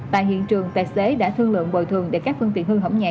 tại hiện trường tài xế đã thương lượng bồi thường để các phương tiện hư hỏng nhẹ